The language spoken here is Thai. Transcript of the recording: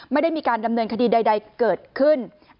ไม่ได้มีการดำเนินคดีใดเกิดขึ้น